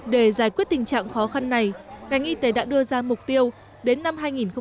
để giải quyết tình trạng khó khăn này ngành y tế đã đưa ra mục tiêu đến năm hai nghìn ba mươi